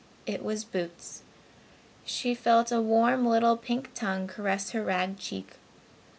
It was Boots. She felt a warm little pink tongue caress her rag cheek.